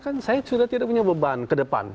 kan saya sudah tidak punya beban ke depan